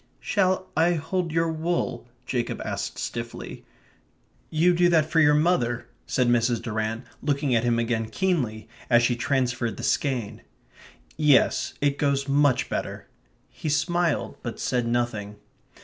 "Shall I hold your wool?" Jacob asked stiffly. "You do that for your mother," said Mrs. Durrant, looking at him again keenly, as she transferred the skein. "Yes, it goes much better." He smiled; but said nothing.